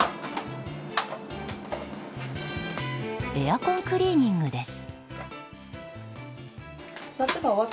エアコンクリーニングです。